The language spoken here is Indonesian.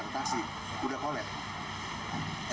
itulah yang menimbulkan dampak pengangguran